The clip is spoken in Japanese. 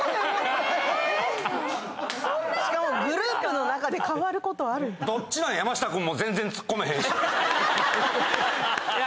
しかもグループの中で変わることあるんだいや